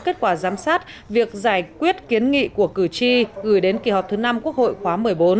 kết quả giám sát việc giải quyết kiến nghị của cử tri gửi đến kỳ họp thứ năm quốc hội khóa một mươi bốn